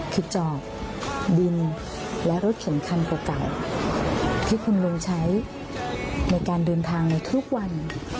คือจอดดินและรถเข็นคันเก่าที่คุณลุงใช้ในการเดินทางในทุกวัน